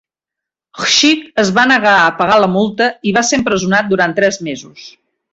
Hsieh es va negar a pagar la multa i va ser empresonat durant tres mesos.